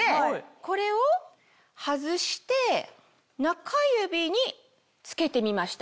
これを外して中指に着けてみました。